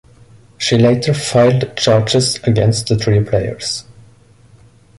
She later filed charges against the three players.